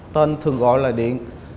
tên thường gọi là điện